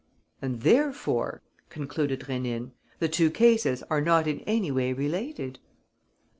"And therefore," concluded Rénine, "the two cases are not in any way related?"